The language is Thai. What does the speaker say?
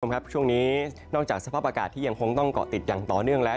คุณผู้ชมครับช่วงนี้นอกจากสภาพอากาศที่ยังคงต้องเกาะติดอย่างต่อเนื่องแล้ว